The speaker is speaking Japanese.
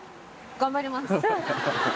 頑張ります。